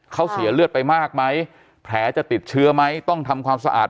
เขาเสียเลือดไปมากไหมแผลจะติดเชื้อไหมต้องทำความสะอาด